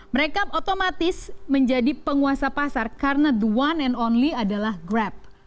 mereka otomatis menjadi penguasa pasar karena the one and only adalah grab